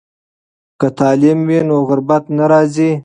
که تعلیم وي نو غربت نه راځي.